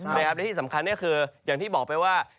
นะครับแล้วที่สำคัญเนี่ยคืออย่างที่บอกไปว่า